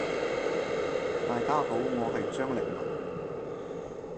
大家好，我係張力文。